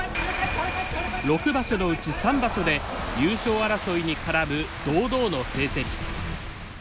６場所のうち３場所で優勝争いに絡む堂々の成績。